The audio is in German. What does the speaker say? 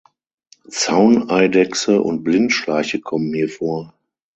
Zauneidechse und Blindschleiche kommen hier vor.